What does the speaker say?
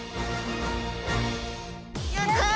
やった！